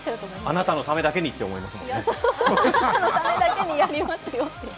あなたのためだけにって思いますよね。